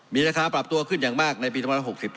มีราคาปรับตัวขึ้นอย่างมากในปี๒๐๖๙